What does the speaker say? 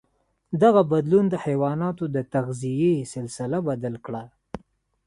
دغه بدلون د حیواناتو د تغذيې سلسله بدل کړه.